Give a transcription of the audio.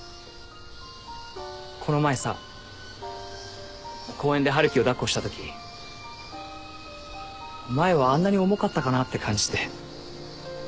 この前さ公園で春樹を抱っこしたとき前はあんなに重かったかなって感じて。